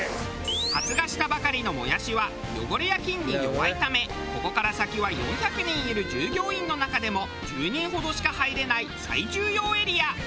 発芽したばかりのもやしは汚れや菌に弱いためここから先は４００人いる従業員の中でも１０人ほどしか入れない最重要エリア。